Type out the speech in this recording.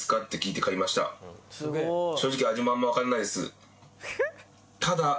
正直味もあんまわかんないです。